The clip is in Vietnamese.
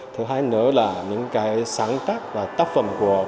thứ hai nữa là những cái sáng tác và tác phẩm của